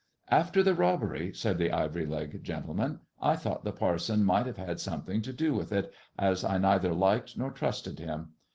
"After the robbery," said the ivory leg gentleman, "I thought the parson might have had something to do with it, as I neither liked nor trusted him.